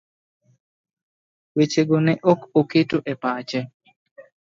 Weche go ne ok oketo e pache